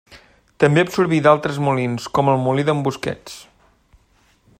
També absorbí altres molins, com el molí d'en Busquets.